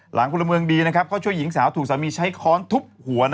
หลังกุลเมืองดีนะครับเขาช่วยหญิงสาวถูกสามีใช้ค้อนทุบหัว